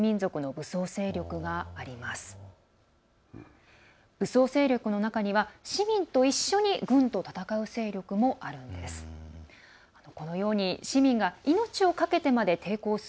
武装勢力の中には市民と一緒に軍と戦う勢力もあるんです。